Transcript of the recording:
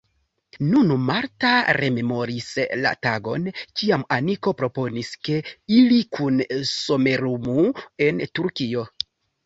Nun Marta rememoris la tagon, kiam Aniko proponis, ke ili kune somerumu en Turkio.